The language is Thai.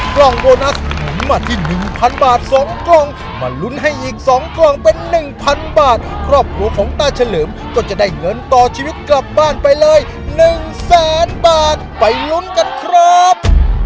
กล่องโบนัสหมุนมาที่หนึ่งพันบาทสองกล่องมาลุ้นให้อีกสองกล่องเป็นหนึ่งพันบาทครอบครัวของตาเฉลิมก็จะได้เงินต่อชีวิตกลับบ้านไปเลยหนึ่งแสนบาทไปลุ้นกันครับ